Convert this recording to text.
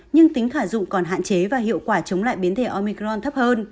nhưng tính khả dụng còn hạn chế và hiệu quả chống lại biến thể omicron thấp hơn